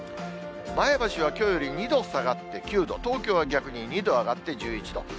前橋はきょうより２度下がって９度、東京は逆に２度上がって１１度。